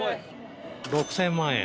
６０００万円。